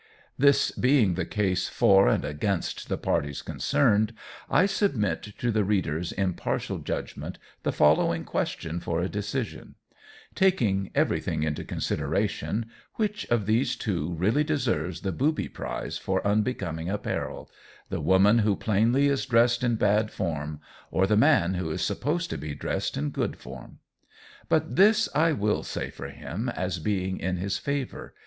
This being the case for and against the parties concerned, I submit to the reader's impartial judgment the following question for a decision: Taking everything into consideration, which of these two really deserves the booby prize for unbecoming apparel the woman who plainly is dressed in bad form or the man who is supposed to be dressed in good form? But this I will say for him as being in his favor.